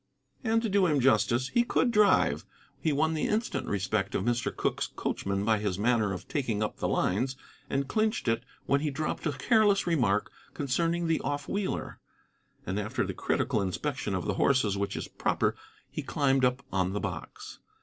And, to do him justice, he could drive. He won the instant respect of Mr. Cooke's coachman by his manner of taking up the lines, and clinched it when he dropped a careless remark concerning the off wheeler. And after the critical inspection of the horses which is proper he climbed up on the box.